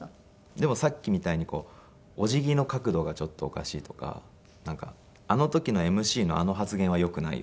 でもさっきみたいにこう「お辞儀の角度がちょっとおかしい」とかなんか「あの時のＭＣのあの発言はよくないよ」とか。